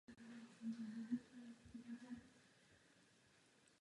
Příčinou úmrtí byla rakovina močového měchýře.